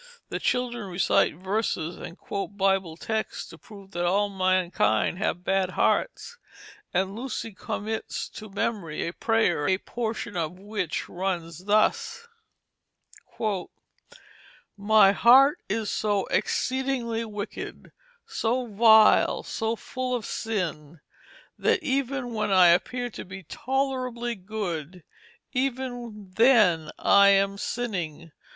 The children recite verses and quote Bible texts to prove that all mankind have bad hearts, and Lucy commits to memory a prayer, a portion of which runs thus: "My heart is so exceedingly wicked, so vile, so full of sin, that even when I appear to be tolerably good, even then I am sinning.